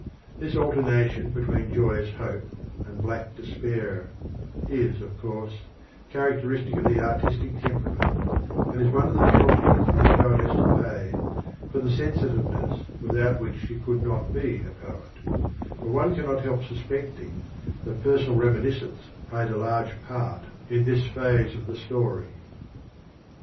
This alternation between joyous hope and black despair is, of course, characteristic of the artistic temperament, and is one of the penalties that the poet has to pay for the sensitiveness without which he could not be a poet; but one cannot help suspecting that personal reminiscence has played a large part in this phase of the story.